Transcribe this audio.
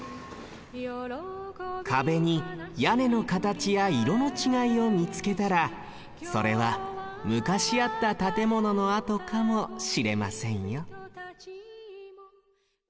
かべにやねのかたちやいろのちがいをみつけたらそれはむかしあった建物のあとかもしれませんよ